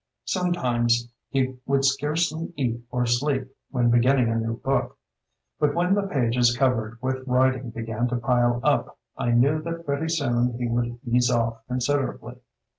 Sometimes he would scarcely eat or sleep when beginning a new book. But when the pages covered with writing began to pile up, I knew that pretty soon he would ease off considerably.